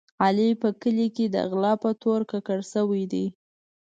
علي په کلي کې د غلا په تور ککړ شوی دی.